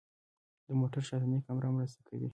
د موټر شاتنۍ کامره مرسته کوي.